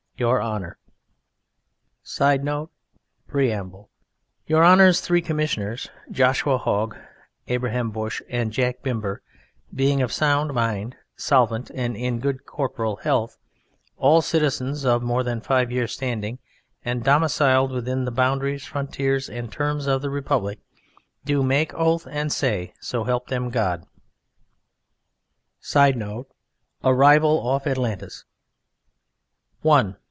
YOUR HONOUR, [Sidenote: Preamble.] Your Honour's three Commissioners, Joshua Hogg, Abraham Bush and Jack Bimber, being of sound mind, solvent, and in good corporeal health, all citizens of more than five years' standing, and domiciled within the boundaries, frontiers or terms of the Republic, do make oath and say, So Help Them God: [Sidenote: Arrival off Atlantis.] I.